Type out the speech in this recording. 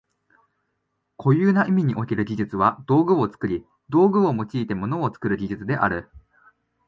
固有な意味における技術は道具を作り、道具を用いて物を作る技術である。